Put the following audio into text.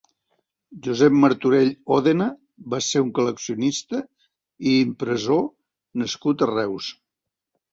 Josep Martorell Òdena va ser un col·leccionista i impressor nascut a Reus.